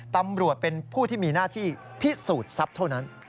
ตำรวจเป็นผู้ที่มีหน้าที่พิสูจน์ทรัพย์เท่านั้น